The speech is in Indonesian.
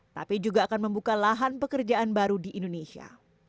tapi juga akan membuka lahan pekerjaan baru di indonesia